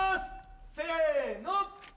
せの。